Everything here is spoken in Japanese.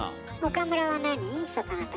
岡村は何？